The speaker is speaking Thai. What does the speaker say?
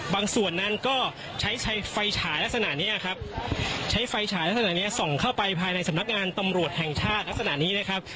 ส่วนนั้นก็ใช้ไฟฉายลักษณะนี้ครับใช้ไฟฉายลักษณะเนี้ยส่องเข้าไปภายในสำนักงานตำรวจแห่งชาติลักษณะนี้นะครับ